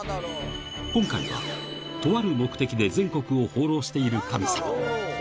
今回は、とある目的で全国を放浪している神様。